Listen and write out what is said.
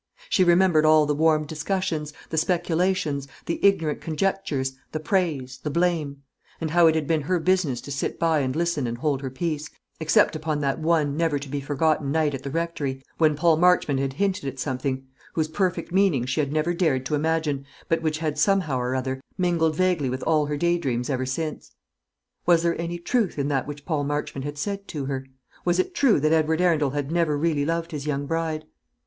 She remembered all the warm discussions, the speculations, the ignorant conjectures, the praise, the blame; and how it had been her business to sit by and listen and hold her peace, except upon that one never to be forgotten night at the Rectory, when Paul Marchmont had hinted at something whose perfect meaning she had never dared to imagine, but which had, somehow or other, mingled vaguely with all her day dreams ever since. Was there any truth in that which Paul Marchmont had said to her? Was it true that Edward Arundel had never really loved his young bride?